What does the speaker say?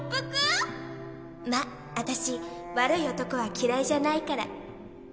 「まっあたし悪い男は嫌いじゃないから」